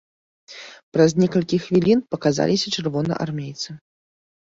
Праз некалькі хвілін паказаліся чырвонаармейцы.